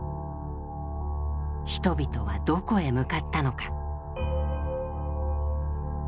人々はどこへ向かったのか？